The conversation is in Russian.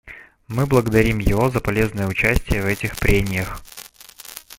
Мы благодарим его за полезное участие в этих прениях.